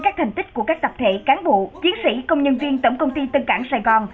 các thành tích của các tập thể cán bộ chiến sĩ công nhân viên tổng công ty tân cảng sài gòn